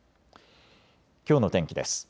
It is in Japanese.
きょうの天気です。